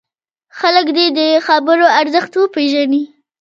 خلک دې د خبرو ارزښت وپېژني.